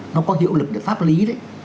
nó có hiệu lực pháp lý đấy